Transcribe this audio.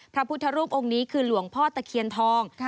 พระพุทธรูปองค์นี้คือหลวงพ่อตะเคียนทอง